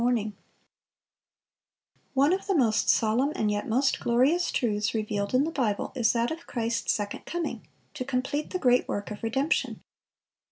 ] One of the most solemn and yet most glorious truths revealed in the Bible is that of Christ's second coming, to complete the great work of redemption.